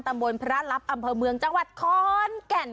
ตำบลพระลับอำเภอเมืองจังหวัดขอนแก่น